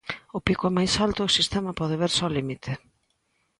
O pico é mais alto e o sistema pode verse ao límite.